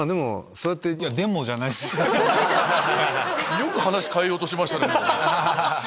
よく話変えようとしましたね。